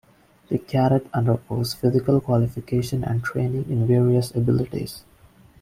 The cadet undergoes physical qualification and training in various abilities.